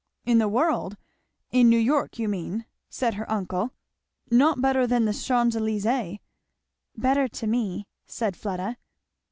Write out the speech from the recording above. "In the world! in New York you mean," said her uncle. "Not better than the Champs Elysées?" "Better to me," said Fleda.